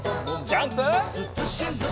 ジャンプ！